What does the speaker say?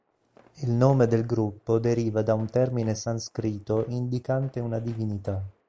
Il nome del gruppo deriva da un termine sanscrito indicante una divinità.